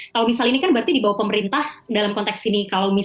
kalau misal ini kan berarti di bawah pemerintah dalam konteks ini